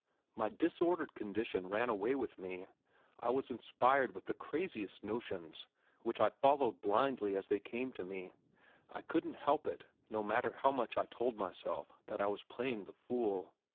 My disordered condition ran away with me; I was inspired with the craziest notions, which I followed blindly as they came to me. I couldn't help it, no matter how much I told myself that I was playing the fool.